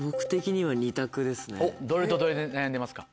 おっどれとどれで悩んでますか？